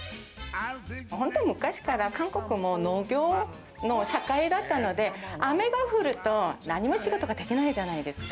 本当、昔から韓国も農業の社会だったので、雨が降ると何も仕事ができないじゃないですか。